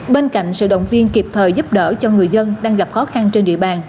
bên cạnh sự động viên kịp thời giúp đỡ cho người dân đang gặp khó khăn trên địa bàn